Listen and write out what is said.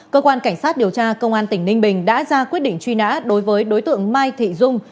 cơ quan cảnh sát điều tra công an tỉnh ninh bình đã ra quyết định truy nã đối với đối tượng mai thị dung